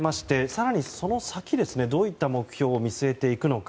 更にその先、どういった目標を見据えていくのか。